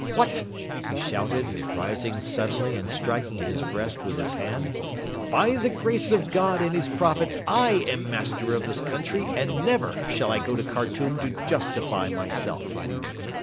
'What!' he shouted, rising suddenly and striking his breast with his hand. 'By the grace of God and his Prophet I am master of this country, and never shall I go to Khartoum to justify myself.'